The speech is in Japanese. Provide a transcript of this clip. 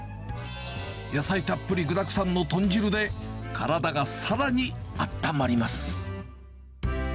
野菜たっぷり、具だくさんの豚汁で、体がさらにあったまります。